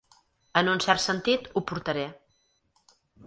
En un cert sentit, ho portaré.